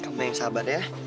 kamu yang sabar ya